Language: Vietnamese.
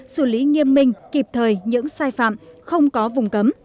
xử lý nghiêm minh kịp thời những sai phạm không có vùng cấm